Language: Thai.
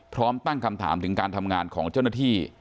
พร้อมตั้งคำถามถึงการทำงานของเจ้าหน้าที่